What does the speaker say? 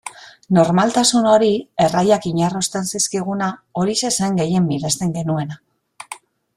Normaltasun hori, erraiak inarrosten zizkiguna, horixe zen gehien miresten genuena.